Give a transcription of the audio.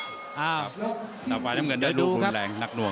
ส่วนฝ่ายน้ำเงินด้วยรูปรุงแรงนักนวง